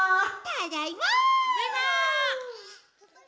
ただいま！